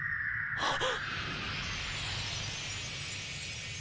あっ。